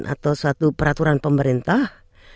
atau suatu peraturan pemerintah